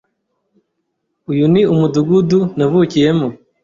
Uyu ni umudugudu navukiyemo.